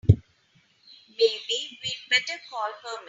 Maybe we'd better call Herman.